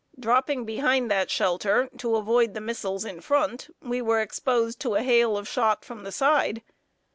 Dropping behind that shelter to avoid the missiles in front, we were exposed to a hail of shot from the side.